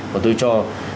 mà tôi cho